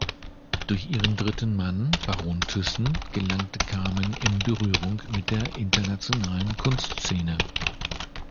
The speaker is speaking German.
Durch ihren dritten Mann, Baron Thyssen, gelangte Carmen in Berührung mit der internationalen Kunstszene.